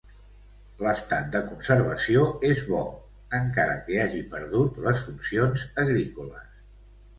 L'estat de conservació és bo, encara que hagi perdut les funcions agrícoles.